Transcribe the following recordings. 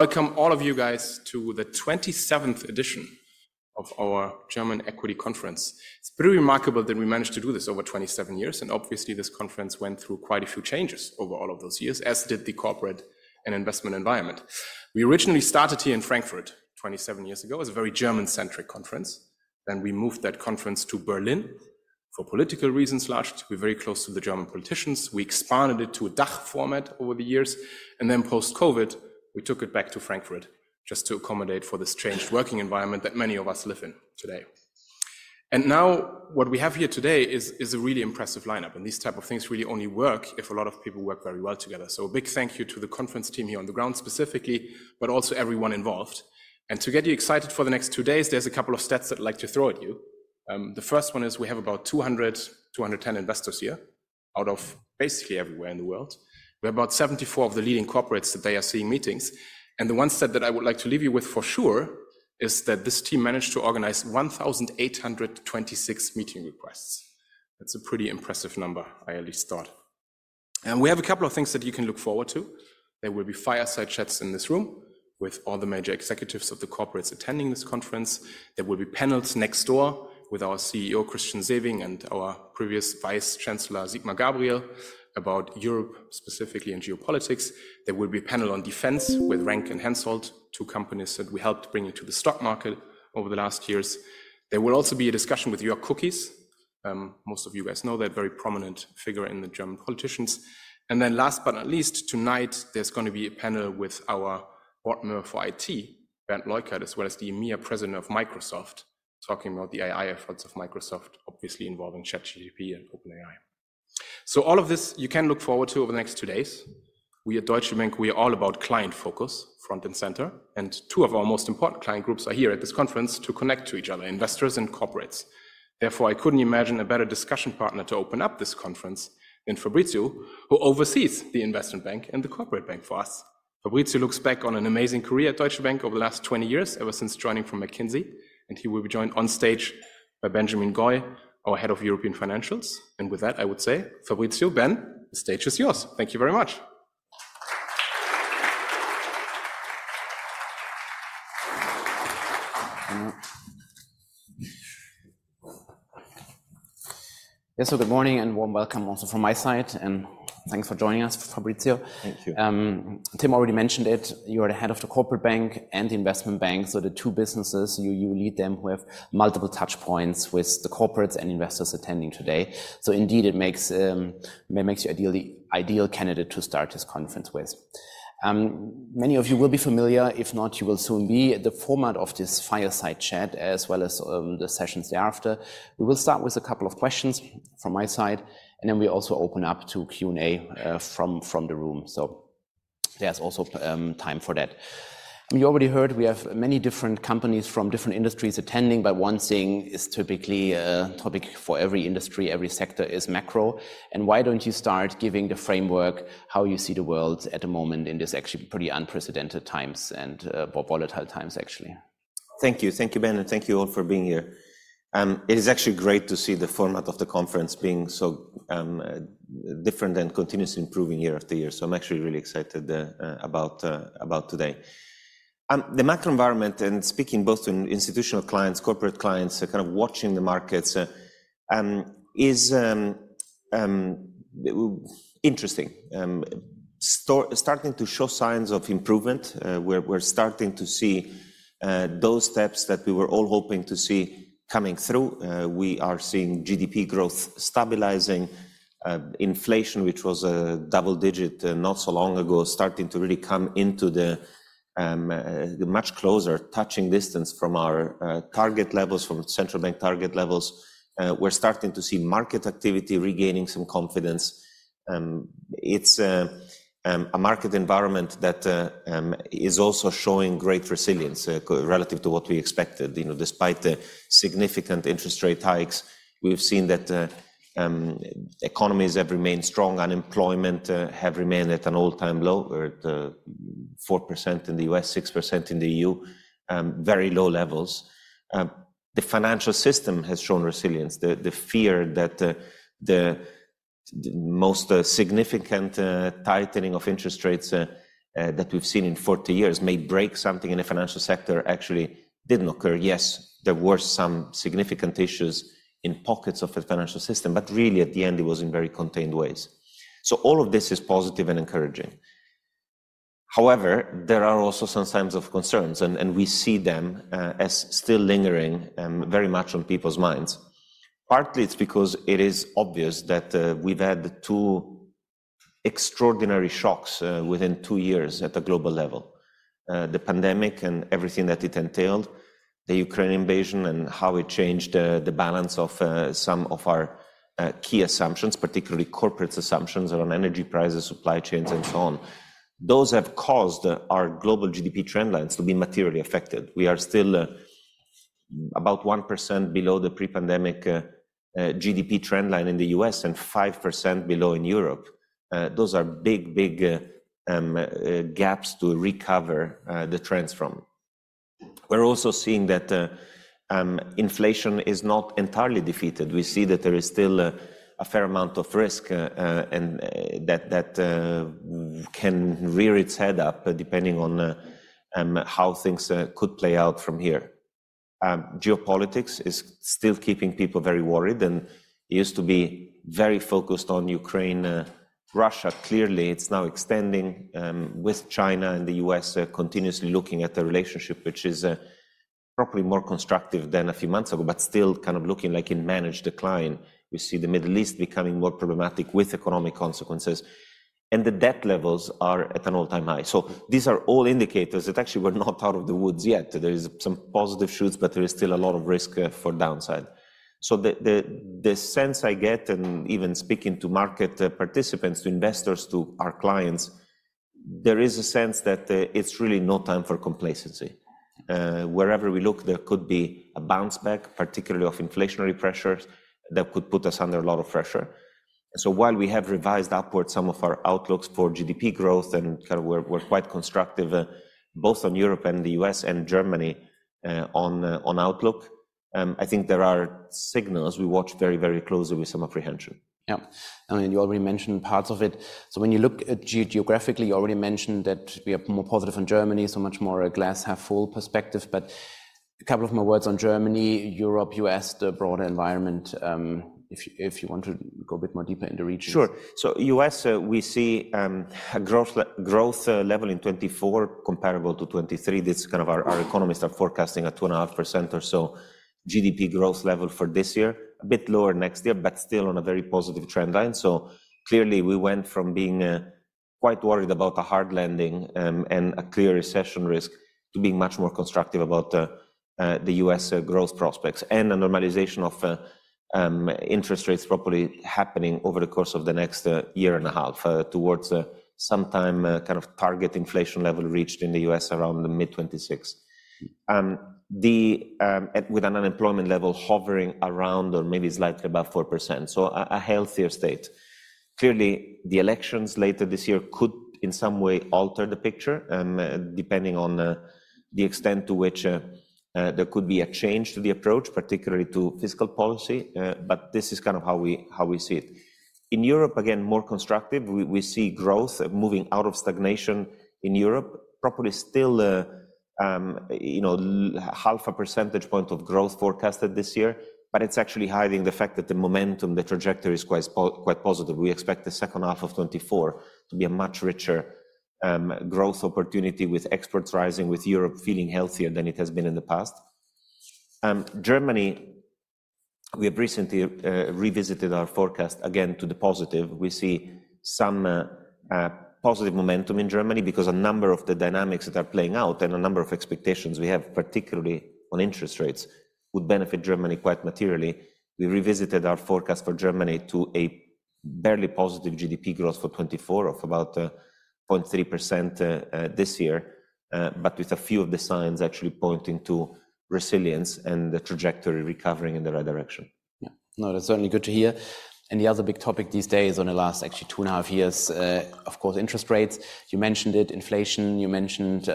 Welcome all of you guys to the 27th edition of our German Equity Conference. It's pretty remarkable that we managed to do this over 27 years, and obviously, this conference went through quite a few changes over all of those years, as did the corporate and investment environment. We originally started here in Frankfurt 27 years ago. It was a very German-centric conference. Then we moved that conference to Berlin for political reasons, largely. We're very close to the German politicians. We expanded it to a DACH format over the years, and then post-COVID, we took it back to Frankfurt just to accommodate for this changed working environment that many of us live in today. And now, what we have here today is a really impressive lineup, and these type of things really only work if a lot of people work very well together. So a big thank you to the conference team here on the ground specifically, but also everyone involved. To get you excited for the next two days, there's a couple of stats I'd like to throw at you. The first one is we have about 210 investors here, out of basically everywhere in the world. We have about 74 of the leading corporates that they are seeing meetings. And the one stat that I would like to leave you with for sure is that this team managed to organize 1,826 meeting requests. That's a pretty impressive number, I at least thought. And we have a couple of things that you can look forward to. There will be fireside chats in this room with all the major executives of the corporates attending this conference. There will be panels next door with our CEO, Christian Sewing, and our previous Vice Chancellor, Sigmar Gabriel, about Europe, specifically in geopolitics. There will be a panel on defense with RENK and Hensoldt, two companies that we helped bring into the stock market over the last years. There will also be a discussion with Jörg Kukies. Most of you guys know that very prominent figure in the German politics. And then last but not least, tonight, there's gonna be a panel with our partner for IT, Bernd Leukert, as well as the EMEA president of Microsoft, talking about the AI efforts of Microsoft, obviously involving ChatGPT and OpenAI. So all of this, you can look forward to over the next two days. We at Deutsche Bank, we are all about client focus, front and center, and two of our most important client groups are here at this conference to connect to each other, investors and corporates. Therefore, I couldn't imagine a better discussion partner to open up this conference than Fabrizio, who oversees the Investment Bank and the Corporate Bank for us. Fabrizio looks back on an amazing career at Deutsche Bank over the last 20 years, ever since joining from McKinsey, and he will be joined on stage by Benjamin Goy, our Head of European Financials. And with that, I would say, Fabrizio, Ben, the stage is yours. Thank you very much. Yes, so good morning, and warm welcome also from my side, and thanks for joining us, Fabrizio. Thank you. Tim already mentioned it. You are the head of the Corporate Bank and the Investment Bank, so the two businesses, you, you lead them, who have multiple touch points with the corporates and investors attending today. So indeed, it makes, it makes you ideally ideal candidate to start this conference with. Many of you will be familiar, if not, you will soon be, the format of this fireside chat, as well as, the sessions thereafter. We will start with a couple of questions from my side, and then we also open up to Q&A, from the room. So there's also time for that. We already heard we have many different companies from different industries attending, but one thing is typically a topic for every industry, every sector, is macro. Why don't you start giving the framework how you see the world at the moment in this actually pretty unprecedented times and, more volatile times, actually? Thank you. Thank you, Ben, and thank you all for being here. It is actually great to see the format of the conference being so different and continuously improving year-after-year. So I'm actually really excited about today. The macro environment, and speaking both to institutional clients, corporate clients, are kind of watching the markets, is interesting. Starting to show signs of improvement. We're starting to see those steps that we were all hoping to see coming through. We are seeing GDP growth stabilizing, inflation, which was double digit not so long ago, starting to really come into the much closer touching distance from our target levels, from central bank target levels. We're starting to see market activity regaining some confidence. It's a market environment that is also showing great resilience relative to what we expected. You know, despite the significant interest rate hikes, we've seen that economies have remained strong, unemployment have remained at an all-time low, we're at 4% in the U.S., 6% in the EU, very low levels. The financial system has shown resilience. The fear that the most significant tightening of interest rates that we've seen in 40 years may break something in the financial sector actually didn't occur. Yes, there were some significant issues in pockets of the financial system, but really, at the end, it was in very contained ways. So all of this is positive and encouraging. However, there are also some signs of concerns, and, and we see them, as still lingering, very much on people's minds. Partly, it's because it is obvious that, we've had two extraordinary shocks, within two years at a global level: the pandemic and everything that it entailed, the Ukraine invasion and how it changed, the balance of, some of our, key assumptions, particularly corporates assumptions around energy prices, supply chains, and so on. Those have caused our global GDP trend lines to be materially affected. We are still, about 1% below the pre-pandemic, GDP trend line in the U.S. and 5% below in Europe. Those are big, big, gaps to recover, the trends from. We're also seeing that, inflation is not entirely defeated. We see that there is still a fair amount of risk, and that can rear its head up, depending on how things could play out from here. Geopolitics is still keeping people very worried, and it used to be very focused on Ukraine, Russia. Clearly, it's now extending with China and the U.S. continuously looking at the relationship, which is probably more constructive than a few months ago, but still kind of looking like in managed decline. We see the Middle East becoming more problematic with economic consequences, and the debt levels are at an all-time high. So these are all indicators that actually we're not out of the woods yet. There is some positive shoots, but there is still a lot of risk for downside. So the sense I get, and even speaking to market participants, to investors, to our clients, there is a sense that it's really no time for complacency. Wherever we look, there could be a bounce back, particularly of inflationary pressures, that could put us under a lot of pressure. So while we have revised upwards some of our outlooks for GDP growth, and kind of we're quite constructive both on Europe and the U.S. and Germany on outlook, I think there are signals we watch very, very closely with some apprehension. Yeah. I mean, you already mentioned parts of it. So when you look at geographically, you already mentioned that we are more positive in Germany, so much more a glass-half-full perspective. But a couple of more words on Germany, Europe, U.S., the broader environment, if you, if you want to go a bit more deeper in the regions. Sure. So U.S., we see a growth level in 2024 comparable to 2023. This is kind of our economists are forecasting a 2.5% or so GDP growth level for this year. A bit lower next year, but still on a very positive trend line. So clearly, we went from being quite worried about a hard landing and a clear recession risk, to being much more constructive about the U.S. growth prospects and a normalization of interest rates properly happening over the course of the next year and a half, towards sometime kind of target inflation level reached in the U.S. around the mid-2026. With an unemployment level hovering around or maybe slightly above 4%, so a healthier state. Clearly, the elections later this year could, in some way, alter the picture, depending on the extent to which there could be a change to the approach, particularly to fiscal policy, but this is kind of how we, how we see it. In Europe, again, more constructive. We, we see growth moving out of stagnation in Europe, probably still, you know, 0.5 percentage point of growth forecasted this year, but it's actually hiding the fact that the momentum, the trajectory, is quite positive. We expect the second half of 2024 to be a much richer growth opportunity, with exports rising, with Europe feeling healthier than it has been in the past. Germany, we have recently revisited our forecast again to the positive. We see some positive momentum in Germany because a number of the dynamics that are playing out and a number of expectations we have, particularly on interest rates, would benefit Germany quite materially. We revisited our forecast for Germany to a barely positive GDP growth for 2024 of about 0.3%, this year, but with a few of the signs actually pointing to resilience and the trajectory recovering in the right direction. Yeah. No, that's certainly good to hear. And the other big topic these days, on the last actually two and a half years, of course, interest rates. You mentioned it, inflation, you mentioned,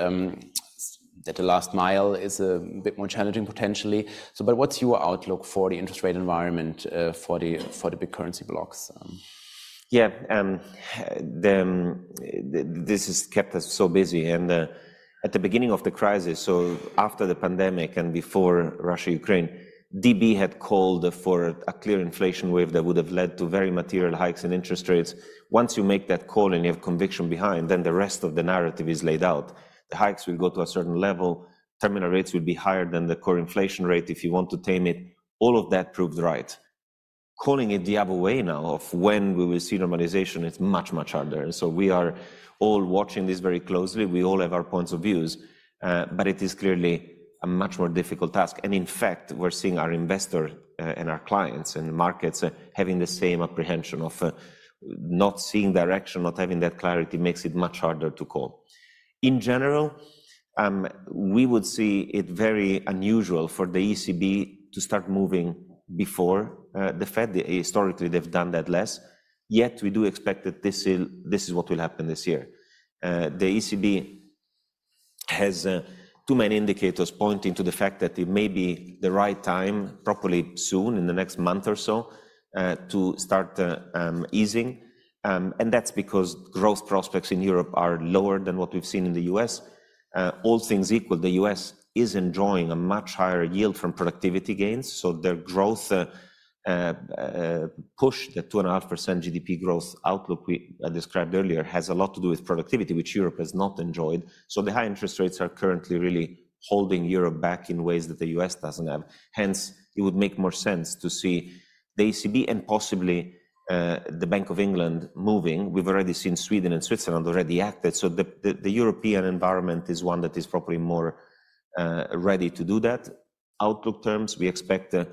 that the last mile is a bit more challenging, potentially. So but what's your outlook for the interest rate environment, for the, for the big currency blocks? Yeah. The this has kept us so busy, and at the beginning of the crisis, so after the pandemic and before Russia-Ukraine, DB had called for a clear inflation wave that would have led to very material hikes in interest rates. Once you make that call and you have conviction behind, then the rest of the narrative is laid out. The hikes will go to a certain level, terminal rates will be higher than the core inflation rate if you want to tame it. All of that proved right. Calling it the other way now of when we will see normalization is much, much harder, and so we are all watching this very closely. We all have our points of views, but it is clearly a much more difficult task. In fact, we're seeing our investors, and our clients, and the markets having the same apprehension of, not seeing direction, not having that clarity, makes it much harder to call. In general, we would see it very unusual for the ECB to start moving before the Fed. Historically, they've done that less, yet we do expect that this will, this is what will happen this year. The ECB has too many indicators pointing to the fact that it may be the right time, probably soon, in the next month or so, to start easing. And that's because growth prospects in Europe are lower than what we've seen in the U.S.. All things equal, the U.S. is enjoying a much higher yield from productivity gains, so their growth push, the 2.5% GDP growth outlook we described earlier, has a lot to do with productivity, which Europe has not enjoyed. So the high interest rates are currently really holding Europe back in ways that the U.S. doesn't have. Hence, it would make more sense to see the ECB and possibly the Bank of England moving. We've already seen Sweden and Switzerland already acted, so the European environment is one that is probably more ready to do that. Outlook terms, we expect the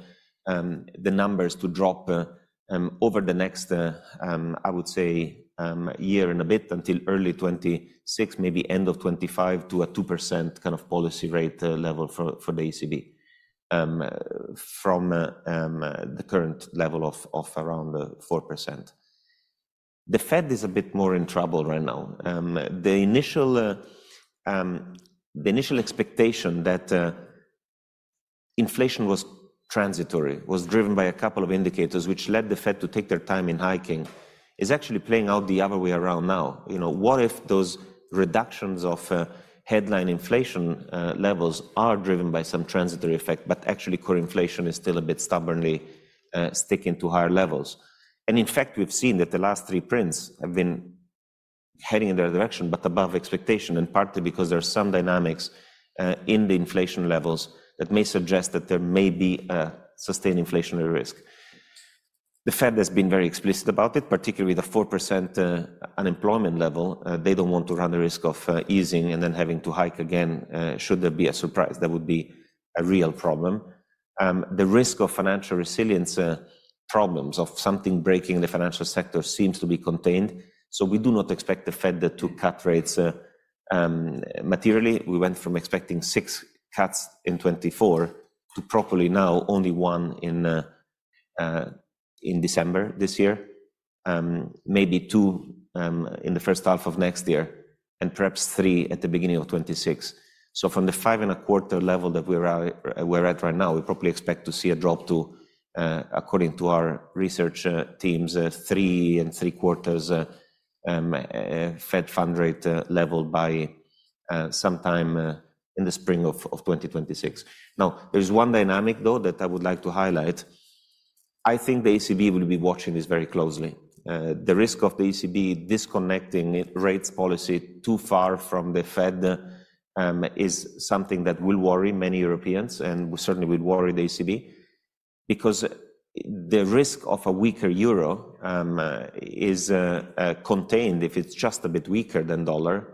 numbers to drop over the next, I would say, year and a bit until early 2026, maybe end of 2025, to a 2% kind of policy rate level for the ECB from the current level of around 4%.... The Fed is a bit more in trouble right now. The initial expectation that inflation was transitory was driven by a couple of indicators, which led the Fed to take their time in hiking, is actually playing out the other way around now. You know, what if those reductions of headline inflation levels are driven by some transitory effect, but actually core inflation is still a bit stubbornly sticking to higher levels? In fact, we've seen that the last three prints have been heading in the right direction, but above expectation, and partly because there are some dynamics in the inflation levels that may suggest that there may be a sustained inflationary risk. The Fed has been very explicit about it, particularly the 4% unemployment level. They don't want to run the risk of easing and then having to hike again should there be a surprise. That would be a real problem. The risk of financial resilience problems, of something breaking in the financial sector, seems to be contained, so we do not expect the Fed to cut rates materially. We went from expecting six cuts in 2024, to probably now only one in December this year, maybe two in the first half of next year, and perhaps three at the beginning of 2026. So from the 5.25 level that we're at right now, we probably expect to see a drop to, according to our research teams, 3.75 Fed funds rate level by sometime in the spring of 2026. Now, there's one dynamic, though, that I would like to highlight. I think the ECB will be watching this very closely. The risk of the ECB disconnecting its rates policy too far from the Fed is something that will worry many Europeans, and will certainly worry the ECB. Because the risk of a weaker euro is contained if it's just a bit weaker than dollar.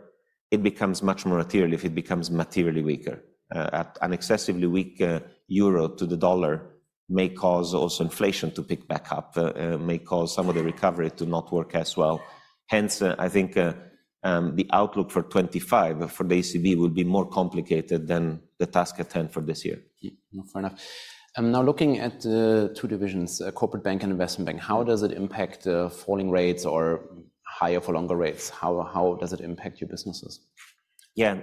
It becomes much more material if it becomes materially weaker. An excessively weak euro to the dollar may cause also inflation to pick back up, may cause some of the recovery to not work as well. Hence, I think, the outlook for 2025 for the ECB will be more complicated than the task at hand for this year. Yeah. No, fair enough. Now looking at the two divisions, Corporate Bank and Investment Bank, how does it impact falling rates or higher for longer rates? How does it impact your businesses? Yeah,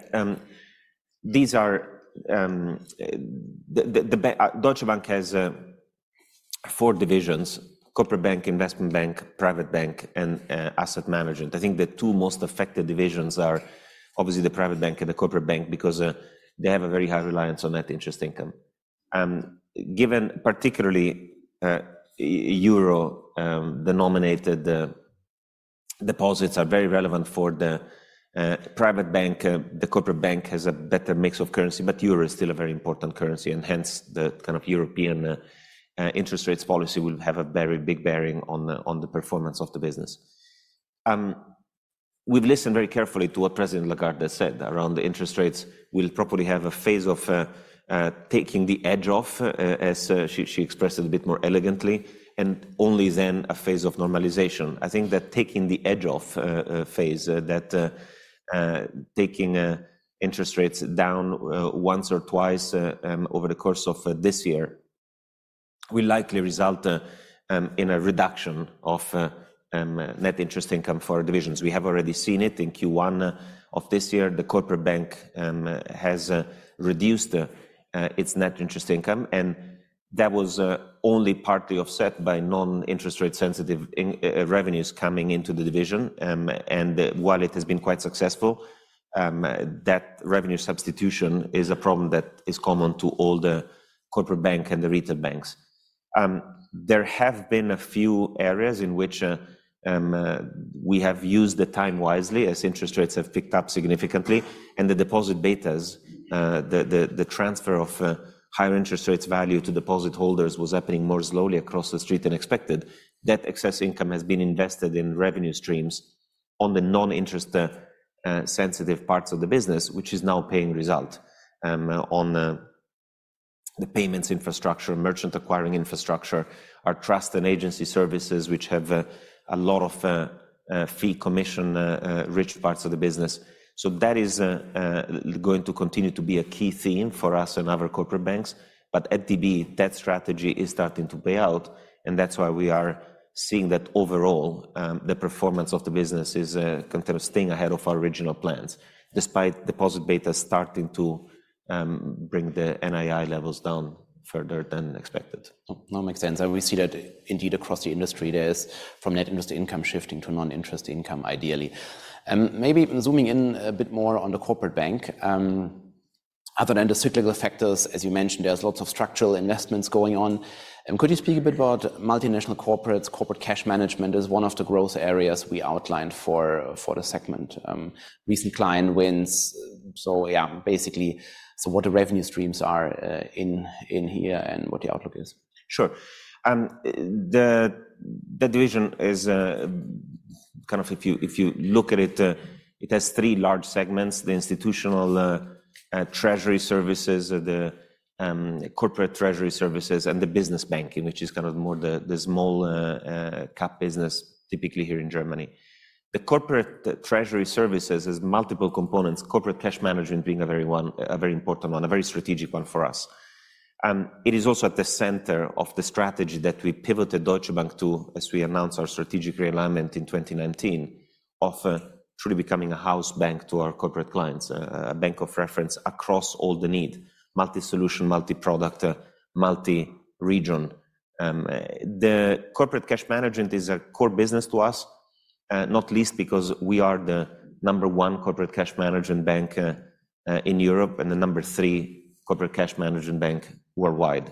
these are. The Deutsche Bank has four divisions: Corporate Bank, Investment Bank, Private Bank, and Asset Management. I think the two most affected divisions are obviously the Private Bank and the Corporate Bank, because they have a very high reliance on net interest income. And given particularly euro the denominated deposits are very relevant for the Private Bank. The Corporate Bank has a better mix of currency, but euro is still a very important currency, and hence, the kind of European interest rates policy will have a very big bearing on the performance of the business. We've listened very carefully to what President Lagarde has said around the interest rates. We'll probably have a phase of taking the edge off, as she expressed it a bit more elegantly, and only then a phase of normalization. I think that taking the edge off phase, that taking interest rates down once or twice over the course of this year, will likely result in a reduction of net interest income for our divisions. We have already seen it in Q1 of this year. The Corporate Bank has reduced its net interest income, and that was only partly offset by non-interest rate sensitive revenues coming into the division. And while it has been quite successful, that revenue substitution is a problem that is common to all the Corporate Bank and the Retail Banks. There have been a few areas in which we have used the time wisely, as interest rates have picked up significantly and the deposit betas, the transfer of higher interest rates value to deposit holders was happening more slowly across the street than expected. That excess income has been invested in revenue streams on the non-interest sensitive parts of the business, which is now paying result on the payments infrastructure, merchant acquiring infrastructure, our Trust and Agency Services, which have a lot of fee commission rich parts of the business. So that is going to continue to be a key theme for us and other Corporate Banks. At DB, that strategy is starting to pay out, and that's why we are seeing that overall, the performance of the business is kind of staying ahead of our original plans, despite deposit beta starting to bring the NII levels down further than expected. No, makes sense, and we see that indeed across the industry, there's from net interest income shifting to non-interest income, ideally. Maybe zooming in a bit more on the Corporate Bank, other than the cyclical factors, as you mentioned, there's lots of structural investments going on. Could you speak a bit about multinational corporates? Corporate cash management is one of the growth areas we outlined for the segment, recent client wins. So yeah, basically, what the revenue streams are, in here and what the outlook is. Sure. The division is kind of if you look at it, it has three large segments: the Institutional Treasury Services, the Corporate Treasury Services, and the Business Banking, which is kind of more the small cap business, typically here in Germany. The corporate treasury services has multiple components, corporate cash management being a very one, a very important one, a very strategic one for us. It is also at the center of the strategy that we pivoted Deutsche Bank to, as we announced our strategic realignment in 2019, of truly becoming a house bank to our corporate clients, a bank of reference across all the need: multi-solution, multi-product, multi-region. The corporate cash management is a core business to us, not least because we are the number one corporate cash management bank in Europe, and the number three corporate cash management bank worldwide.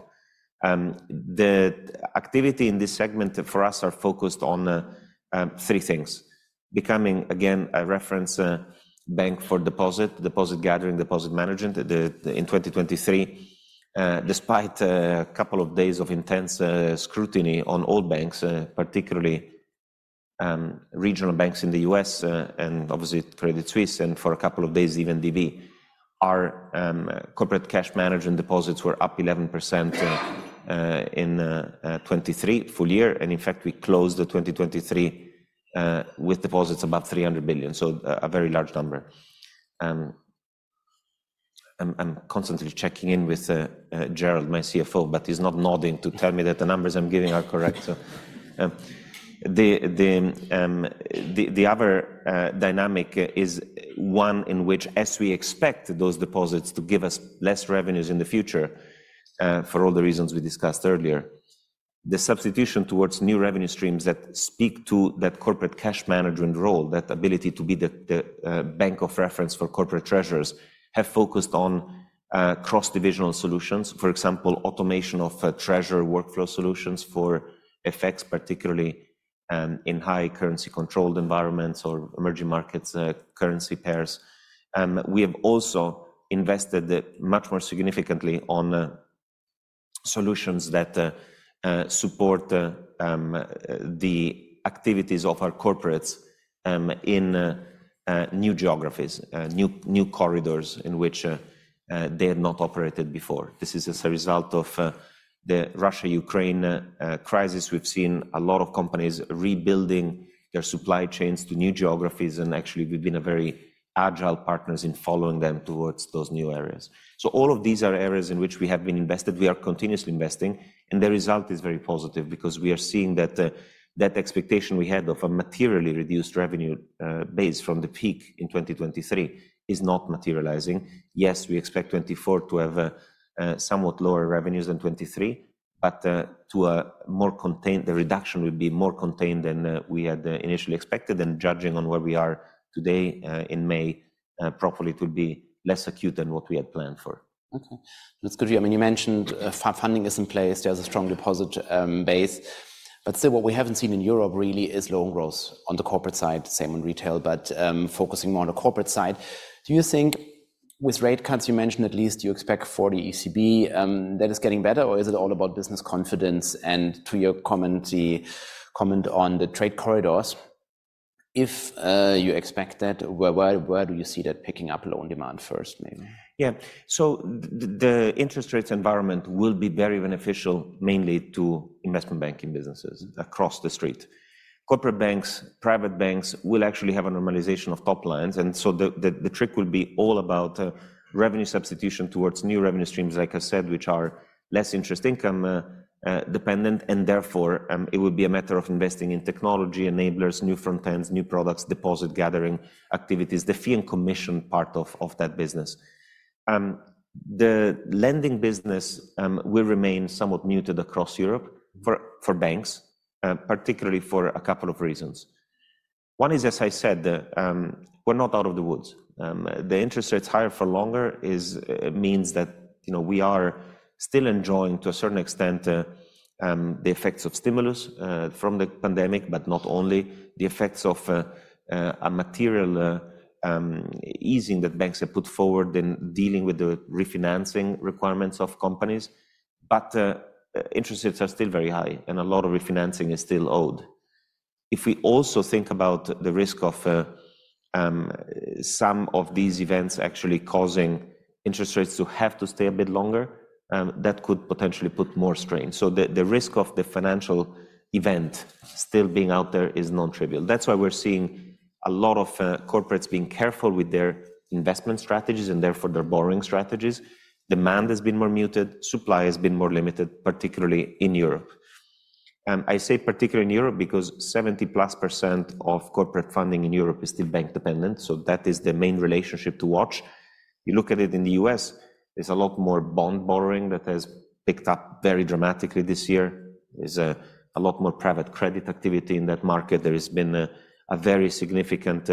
The activity in this segment for us are focused on three things: becoming, again, a reference bank for deposit, deposit gathering, deposit management. In 2023, despite a couple of days of intense scrutiny on all banks, particularly regional banks in the U.S., and obviously Credit Suisse, and for a couple of days, even DB, our corporate cash management deposits were up 11% in 2023 full year, and in fact, we closed 2023 with deposits about 300 billion, so a very large number. I'm constantly checking in with Gerald, my CFO, but he's not nodding to tell me that the numbers I'm giving are correct. The other dynamic is one in which, as we expect those deposits to give us less revenues in the future, for all the reasons we discussed earlier, the substitution towards new revenue streams that speak to that corporate cash management role, that ability to be the bank of reference for corporate treasurers, have focused on cross-divisional solutions. For example, automation of treasury workflow solutions for effects, particularly in high currency controlled environments or emerging markets, currency pairs. We have also invested much more significantly on solutions that support the activities of our corporates in new geographies, new corridors in which they had not operated before. This is as a result of the Russia-Ukraine crisis. We've seen a lot of companies rebuilding their supply chains to new geographies, and actually, we've been a very agile partners in following them towards those new areas. So all of these are areas in which we have been invested. We are continuously investing, and the result is very positive because we are seeing that the expectation we had of a materially reduced revenue base from the peak in 2023 is not materializing. Yes, we expect 2024 to have somewhat lower revenues than 2023, but to a more contained the reduction will be more contained than we had initially expected, and judging on where we are today in May, properly, it will be less acute than what we had planned for. Okay, that's good to hear. I mean, you mentioned, funding is in place. There's a strong deposit base. But still, what we haven't seen in Europe really is loan growth on the corporate side. Same in retail, but focusing more on the corporate side, do you think with rate cuts, you mentioned at least you expect for the ECB, that is getting better, or is it all about business confidence? And to your comment on the trade corridors, if you expect that, where do you see that picking up loan demand first, maybe? Yeah. So the interest rates environment will be very beneficial mainly to Investment Banking businesses across the street. Corporate banks, Private Banks, will actually have a normalization of top lines, and so the trick will be all about revenue substitution towards new revenue streams, like I said, which are less interest income dependent, and therefore it would be a matter of investing in technology enablers, new front ends, new products, deposit gathering activities, the fee and commission part of that business. The lending business will remain somewhat muted across Europe for banks, particularly for a couple of reasons. One is, as I said, we're not out of the woods. The interest rates higher for longer is means that, you know, we are still enjoying, to a certain extent, the effects of stimulus from the pandemic, but not only the effects of a material easing that banks have put forward in dealing with the refinancing requirements of companies, but interest rates are still very high, and a lot of refinancing is still owed. If we also think about the risk of some of these events actually causing interest rates to have to stay a bit longer, that could potentially put more strain. So the risk of the financial event still being out there is non-trivial. That's why we're seeing a lot of corporates being careful with their investment strategies, and therefore, their borrowing strategies. Demand has been more muted. Supply has been more limited, particularly in Europe. I say particularly in Europe, because 70%+ of corporate funding in Europe is still bank dependent, so that is the main relationship to watch. You look at it in the U.S., there's a lot more bond borrowing that has picked up very dramatically this year. There's a lot more private credit activity in that market. There has been a very significant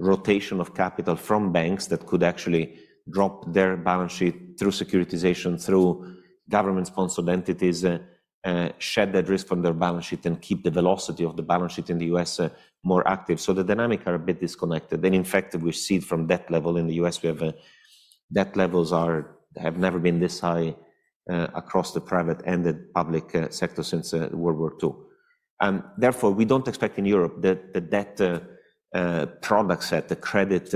rotation of capital from banks that could actually drop their balance sheet through securitization, through government-sponsored entities, shed that risk from their balance sheet and keep the velocity of the balance sheet in the U.S., more active. So the dynamic are a bit disconnected. In fact, we see it from debt level. In the U.S., we have debt levels have never been this high across the private and the public sector since World War II. Therefore, we don't expect in Europe that the debt product set, the credit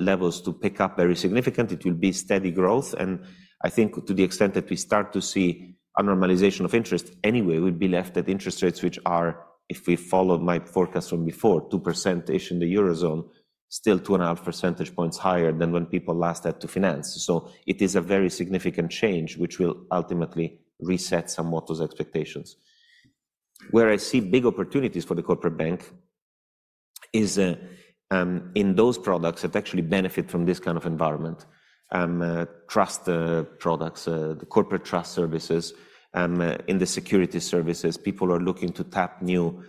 levels, to pick up very significant. It will be steady growth, and I think to the extent that we start to see a normalization of interest anyway, we'd be left at interest rates which are—if we follow my forecast from before, 2%-ish in the Eurozone, still 2.5 percentage points higher than when people last had to finance. So it is a very significant change, which will ultimately reset somewhat those expectations. Where I see big opportunities for the Corporate Bank is in those products that actually benefit from this kind of environment, trust products, the corporate trust services, in the Securities Services. People are looking to tap new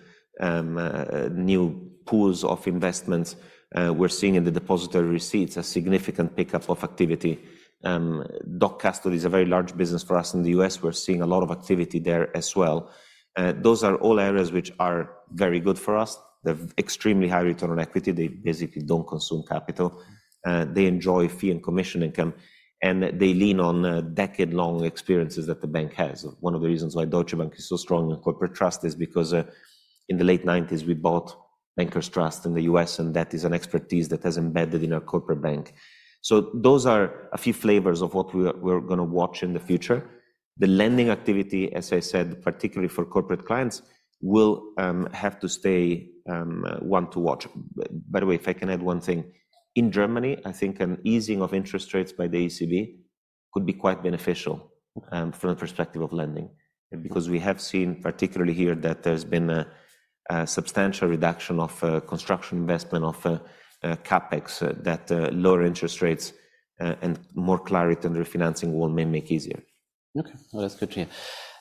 pools of investments. We're seeing in the depositary receipts a significant pickup of activity. Depositary is a very large business for us in the U.S. We're seeing a lot of activity there as well. Those are all areas which are very good for us. They've extremely high return on equity. They basically don't consume capital, they enjoy fee and commission income, and they lean on decade-long experiences that the bank has. One of the reasons why Deutsche Bank is so strong in corporate trust is because in the late 90s, we bought Bankers Trust in the U.S., and that is an expertise that has embedded in our Corporate Bank. So those are a few flavors of what we are, we're gonna watch in the future. The lending activity, as I said, particularly for corporate clients, will have to stay one to watch. By the way, if I can add one thing: in Germany, I think an easing of interest rates by the ECB could be quite beneficial from the perspective of lending. Because we have seen, particularly here, that there's been a substantial reduction of construction investment, of CapEx, that lower interest rates and more clarity in the refinancing world may make easier. Okay. Well, that's good to hear.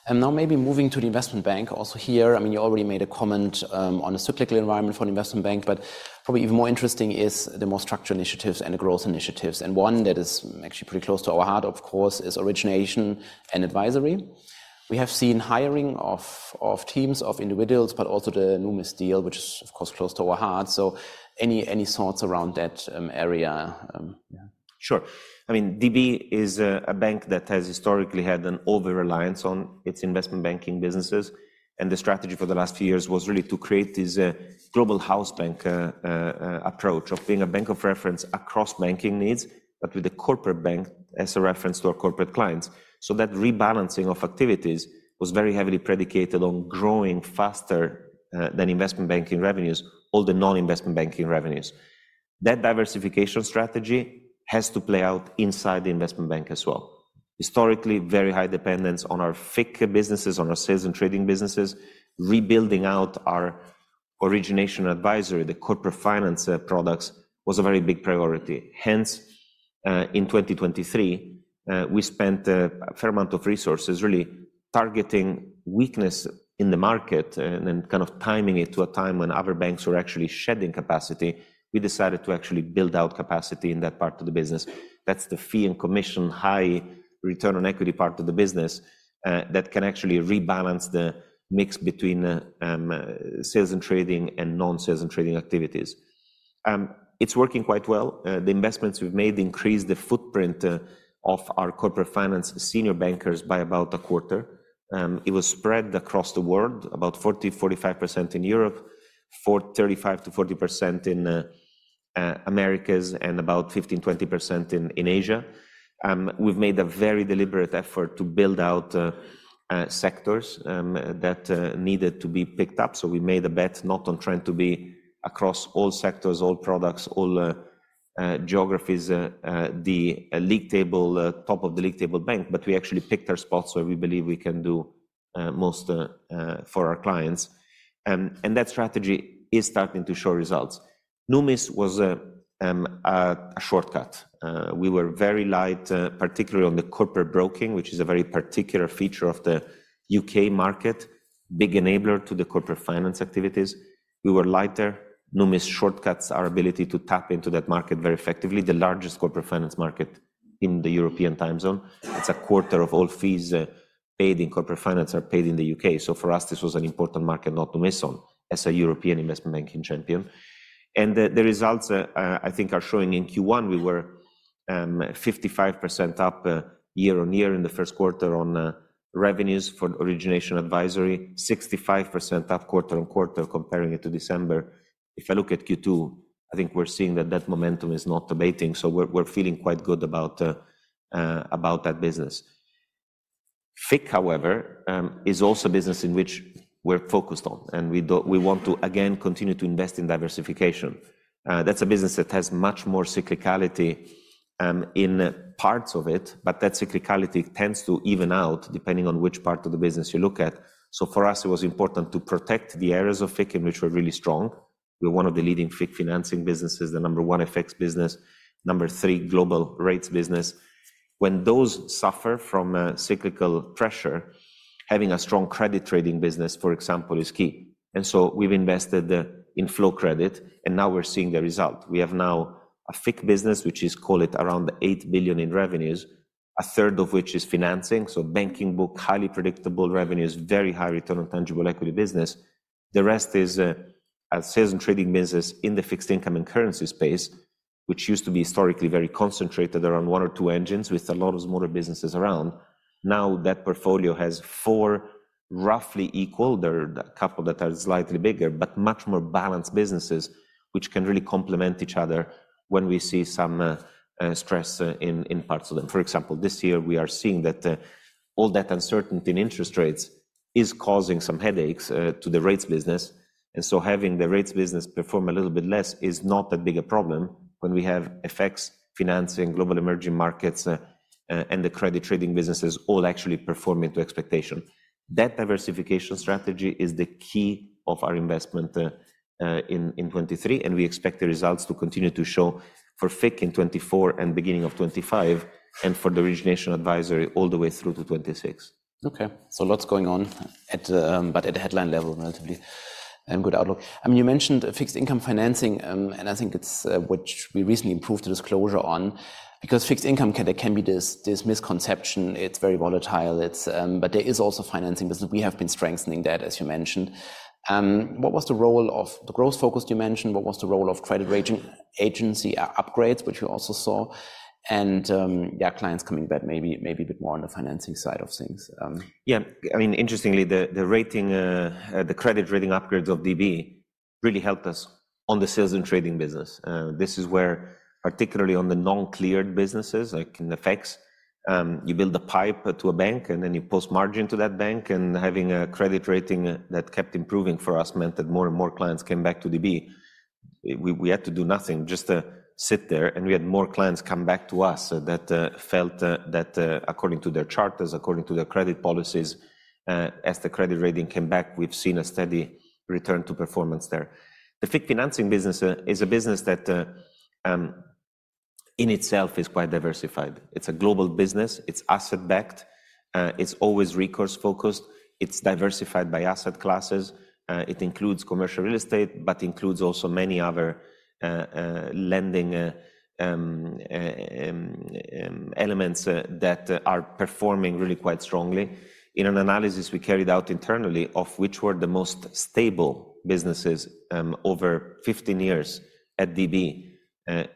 Now maybe moving to the Investment Bank, also here, I mean, you already made a comment on the cyclical environment for the Investment Bank, but probably even more interesting is the more structural initiatives and the growth initiatives. One that is actually pretty close to our heart, of course, is origination and advisory. We have seen hiring of teams of individuals, but also the Numis deal, which is, of course, close to our heart. So, any thoughts around that area...? Sure. I mean, DB is a bank that has historically had an over-reliance on its Investment Banking businesses, and the strategy for the last few years was really to create this, global house bank, approach of being a bank of reference across banking needs, but with a Corporate Bank as a reference to our corporate clients. So that rebalancing of activities was very heavily predicated on growing faster, than Investment Banking revenues, all the non-Investment Banking revenues. That diversification strategy has to play out inside the Investment Bank as well. Historically, very high dependence on our FIC businesses, on our sales and trading businesses, rebuilding out our origination advisory, the corporate finance, products, was a very big priority. Hence, in 2023, we spent a fair amount of resources really targeting weakness in the market and kind of timing it to a time when other banks were actually shedding capacity. We decided to actually build out capacity in that part of the business. That's the fee and commission, high return on equity part of the business, that can actually rebalance the mix between sales and trading and non-sales and trading activities. It's working quite well. The investments we've made increased the footprint of our corporate finance senior bankers by about a quarter. It was spread across the world, about 40%-45% in Europe, 35%-40% in Americas, and about 15%-20% in Asia. We've made a very deliberate effort to build out sectors that needed to be picked up. So we made a bet not on trying to be across all sectors, all products, all geographies, the league table top of the league table bank, but we actually picked our spots where we believe we can do most for our clients. That strategy is starting to show results. Numis was a shortcut. We were very light, particularly on the corporate broking, which is a very particular feature of the U.K. market, big enabler to the corporate finance activities. We were lighter. Numis shortcuts our ability to tap into that market very effectively, the largest corporate finance market in the European time zone. It's a quarter of all fees paid in corporate finance are paid in the U.K. So for us, this was an important market not to miss on as a European Investment Banking champion. And the results, I think, are showing. In Q1, we were 55% up year-on-year in the first quarter on revenues for origination advisory, 65% up quarter-on-quarter, comparing it to December. If I look at Q2, I think we're seeing that that momentum is not abating, so we're feeling quite good about that business. FIC, however, is also a business in which we're focused on, and we want to again continue to invest in diversification. That's a business that has much more cyclicality, in parts of it, but that cyclicality tends to even out, depending on which part of the business you look at. So for us, it was important to protect the areas of FIC in which we're really strong. We're one of the leading FIC financing businesses, the number one FX business, number three global rates business. When those suffer from, cyclical pressure, having a strong credit trading business, for example, is key. And so we've invested in flow credit, and now we're seeing the result. We have now a FIC business, which is, call it, around 8 billion in revenues, a third of which is financing, so banking book, highly predictable revenues, very high return on tangible equity business. The rest is a sales and trading business in the fixed income and currency space, which used to be historically very concentrated around one or two engines, with a lot of smaller businesses around. Now, that portfolio has four roughly equal, there are a couple that are slightly bigger, but much more balanced businesses, which can really complement each other when we see some stress in parts of them. For example, this year we are seeing that all that uncertainty in interest rates is causing some headaches to the rates business, and so having the rates business perform a little bit less is not that big a problem when we have FX financing global emerging markets and the credit trading businesses all actually performing to expectation. That diversification strategy is the key of our investment in 2023, and we expect the results to continue to show for FIC in 2024 and beginning of 2025, and for the origination advisory all the way through to 2026. Okay, so lots going on at the, but at a headline level, relatively, and good outlook. I mean, you mentioned fixed income financing, and I think it's which we recently improved the disclosure on. Because fixed income there can be this, this misconception, it's very volatile, it's, but there is also financing business. We have been strengthening that, as you mentioned. What was the role of the growth focus you mentioned? What was the role of credit rating agency upgrades, which we also saw? And, yeah, clients coming back, maybe, maybe a bit more on the financing side of things. Yeah. I mean, interestingly, the credit rating upgrades of DB really helped us on the sales and trading business. This is where, particularly on the non-cleared businesses, like in the FX, you build a pipe to a bank, and then you post margin to that bank, and having a credit rating that kept improving for us meant that more and more clients came back to DB. We had to do nothing, just sit there, and we had more clients come back to us that felt that, according to their charters, according to their credit policies, as the credit rating came back, we've seen a steady return to performance there. The FIC financing business is a business that in itself is quite diversified. It's a global business. It's asset-backed. It's always recourse-focused. It's diversified by asset classes. It includes commercial real estate, but includes also many other lending elements that are performing really quite strongly. In an analysis we carried out internally of which were the most stable businesses over 15 years at DB,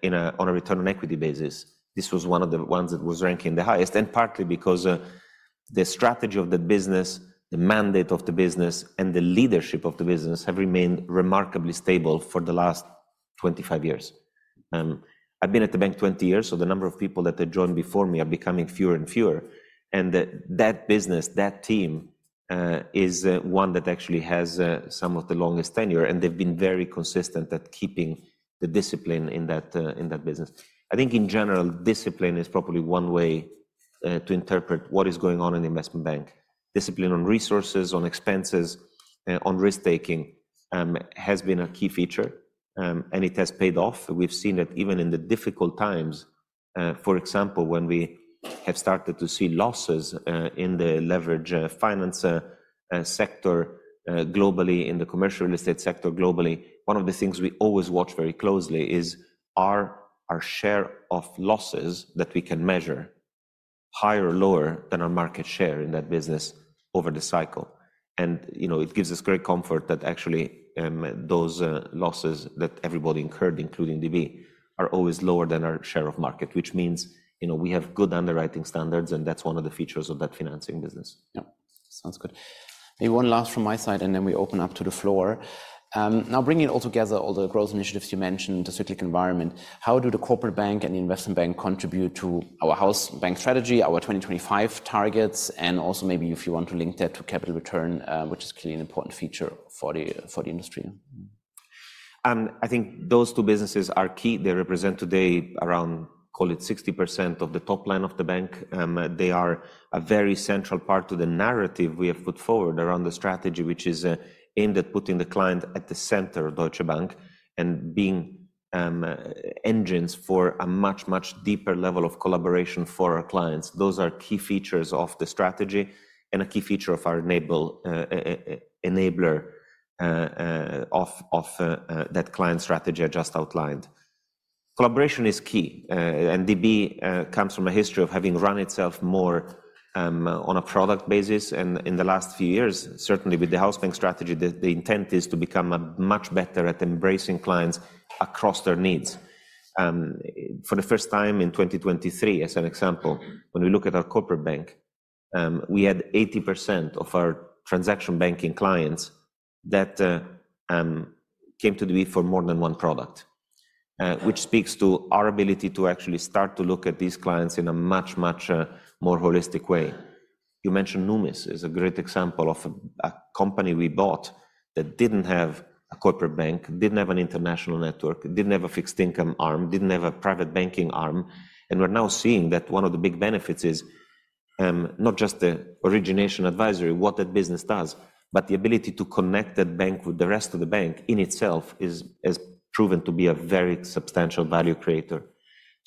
on a return on equity basis, this was one of the ones that was ranking the highest, and partly because the strategy of the business, the mandate of the business, and the leadership of the business have remained remarkably stable for the last 25 years. I've been at the bank 20 years, so the number of people that have joined before me are becoming fewer and fewer, and the That business, that team, is one that actually has some of the longest tenure, and they've been very consistent at keeping the discipline in that, in that business. I think in general, discipline is probably one way to interpret what is going on in the Investment Bank. Discipline on resources, on expenses, on risk-taking, has been a key feature, and it has paid off. We've seen it even in the difficult times, for example, when we have started to see losses, in the leverage finance sector globally, in the commercial real estate sector globally. One of the things we always watch very closely is, are our share of losses that we can measure higher or lower than our market share in that business over the cycle? You know, it gives us great comfort that actually those losses that everybody incurred, including DB, are always lower than our share of market, which means, you know, we have good underwriting standards, and that's one of the features of that financing business. Yeah. Sounds good. Maybe one last from my side, and then we open up to the floor. Now bringing all together all the growth initiatives you mentioned, the cyclic environment, how do the Corporate Bank and the Investment Bank contribute to our house bank strategy, our 2025 targets, and also maybe if you want to link that to capital return, which is clearly an important feature for the, for the industry? I think those two businesses are key. They represent today around, call it 60% of the top line of the bank. They are a very central part to the narrative we have put forward around the strategy, which is aimed at putting the client at the center of Deutsche Bank and being engines for a much, much deeper level of collaboration for our clients. Those are key features of the strategy and a key feature of our enabler of that client strategy I just outlined. Collaboration is key, and DB comes from a history of having run itself more on a product basis, and in the last few years, certainly with the house bank strategy, the intent is to become much better at embracing clients across their needs. For the first time in 2023, as an example, when we look at our Corporate Bank, we had 80% of our transaction banking clients that came to DB for more than one product, which speaks to our ability to actually start to look at these clients in a much, much more holistic way. You mentioned Numis as a great example of a company we bought that didn't have a Corporate Bank, didn't have an international network, didn't have a fixed income arm, didn't have a Private Banking arm, and we're now seeing that one of the big benefits is not just the origination advisory, what that business does, but the ability to connect that bank with the rest of the bank in itself is, has proven to be a very substantial value creator.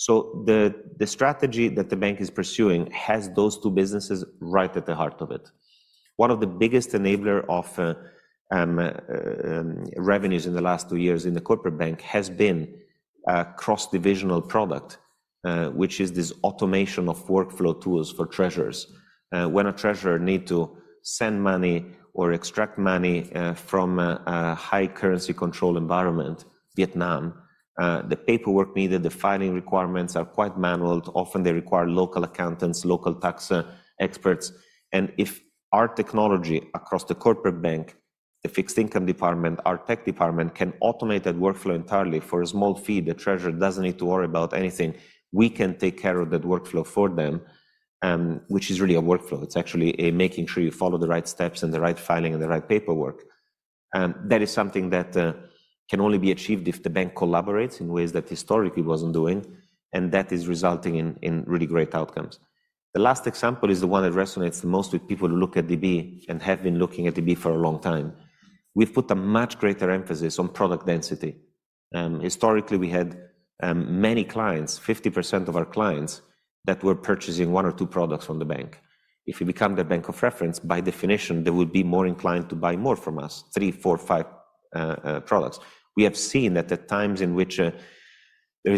So the strategy that the bank is pursuing has those two businesses right at the heart of it. One of the biggest enabler of revenues in the last two years in the Corporate Bank has been a cross-divisional product, which is this automation of workflow tools for treasurers. When a treasurer need to send money or extract money from a high currency control environment, Vietnam, the paperwork needed, the filing requirements are quite manual. Often they require local accountants, local tax experts, and if our technology across the Corporate Bank, the fixed income department, our tech department, can automate that workflow entirely for a small fee, the treasurer doesn't need to worry about anything. We can take care of that workflow for them, which is really a workflow. It's actually making sure you follow the right steps and the right filing and the right paperwork. That is something that can only be achieved if the bank collaborates in ways that historically it wasn't doing, and that is resulting in really great outcomes. The last example is the one that resonates the most with people who look at DB and have been looking at DB for a long time. We've put a much greater emphasis on product density. Historically, we had many clients, 50% of our clients, that were purchasing one or two products from the bank. If you become the bank of reference, by definition, they would be more inclined to buy more from us, three, four, five products. We have seen that at times in which there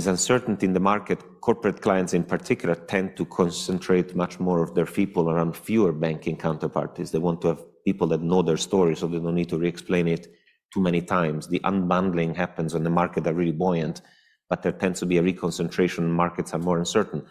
is uncertainty in the market, corporate clients, in particular, tend to concentrate much more of their people around fewer banking counterparties. They want to have people that know their story, so they don't need to re-explain it too many times. The unbundling happens when the market are really buoyant, but there tends to be a reconcentration when markets are more uncertain.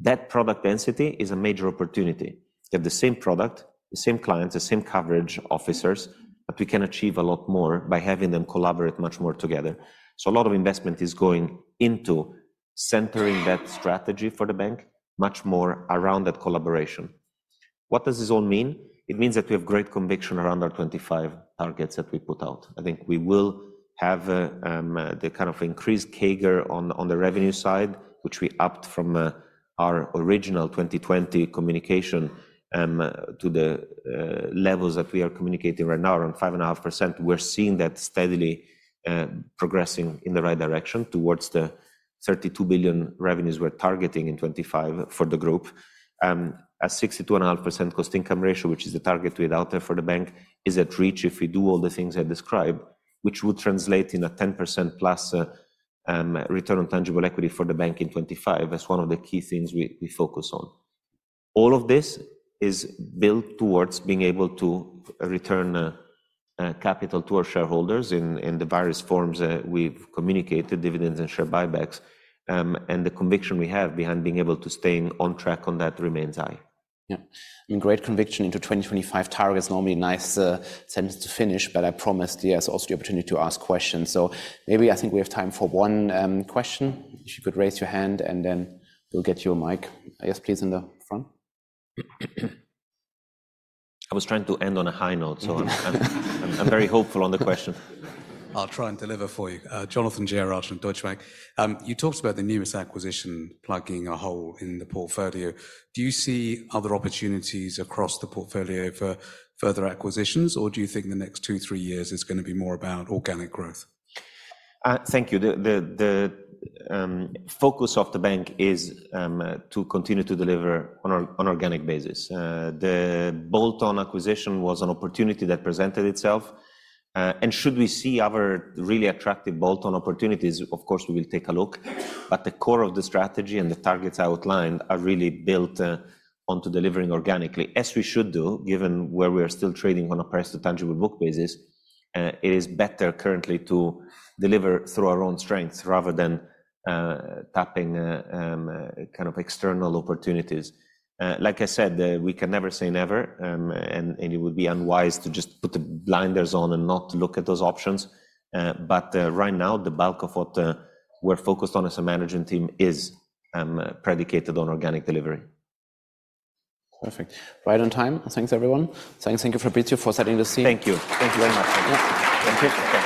That product density is a major opportunity. They have the same product, the same clients, the same coverage officers, but we can achieve a lot more by having them collaborate much more together. So a lot of investment is going into centering that strategy for the bank, much more around that collaboration. What does this all mean? It means that we have great conviction around our 25 targets that we put out. I think we will have the kind of increased CAGR on the revenue side, which we upped from our original 2020 communication to the levels that we are communicating right now, around 5.5%. We're seeing that steadily progressing in the right direction towards the €32 billion revenues we're targeting in 2025 for the group. A 62.5% cost-income ratio, which is the target we had out there for the bank, is at reach if we do all the things I described, which would translate in a 10%+ return on tangible equity for the bank in 2025. That's one of the key things we focus on. All of this is built towards being able to return capital to our shareholders in the various forms that we've communicated, dividends and share buybacks, and the conviction we have behind being able to staying on track on that remains high. Yeah. In great conviction into 2025 targets, normally a nice sentence to finish, but I promised you there's also the opportunity to ask questions. So maybe I think we have time for one question. If you could raise your hand, and then we'll get you a mic. Yes, please, in the front. I was trying to end on a high note, so I'm very hopeful on the question. I'll try and deliver for you. Jonathan Gerrard from Deutsche Bank. You talked about the newest acquisition plugging a hole in the portfolio. Do you see other opportunities across the portfolio for further acquisitions, or do you think the next two, three years is gonna be more about organic growth? Thank you. The focus of the bank is to continue to deliver on organic basis. The bolt-on acquisition was an opportunity that presented itself, and should we see other really attractive bolt-on opportunities, of course, we will take a look. But the core of the strategy and the targets outlined are really built onto delivering organically, as we should do, given where we are still trading on a price to tangible book basis. It is better currently to deliver through our own strengths rather than tapping kind of external opportunities. Like I said, we can never say never, and it would be unwise to just put the blinders on and not look at those options. Right now, the bulk of what we're focused on as a management team is predicated on organic delivery. Perfect. Right on time. Thanks, everyone. Thanks. Thank you, Fabrizio, for setting the scene. Thank you. Thank you very much. Yeah. Thank you. Thank you.